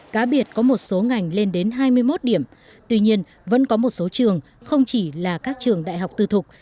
cá biệt có một số ngành lên đến hai mươi một điểm tuy nhiên vẫn có một số trường không chỉ là các trường đại học tư thục